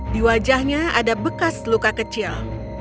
di wajahnya ada bekas luka kecil